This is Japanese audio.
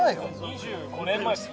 ・２５年前ですね。